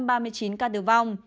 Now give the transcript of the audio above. ba số bệnh nhân tử vong